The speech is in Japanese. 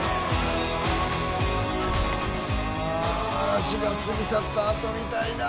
嵐が過ぎ去ったあとみたいだ！